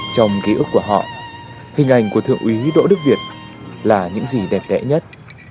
trong ký ức của họ hình ảnh của thượng úy đỗ đức việt là những gì đẹp đẽ nhất